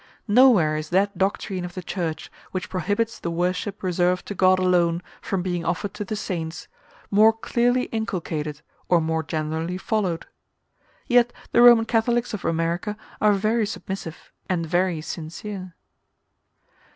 Nowhere is that doctrine of the Church, which prohibits the worship reserved to God alone from being offered to the saints, more clearly inculcated or more generally followed. Yet the Roman Catholics of America are very submissive and very sincere.